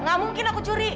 gak mungkin aku curi